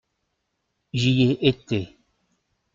J’y ai été.